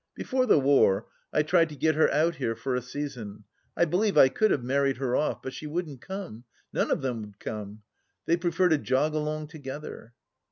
Before the war I tried to get her out here for a season — I believe I could have married her off — but she wouldn't come. None of them will come. They prefer to jog along together.